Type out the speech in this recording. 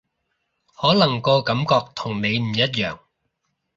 可能個感覺同你唔一樣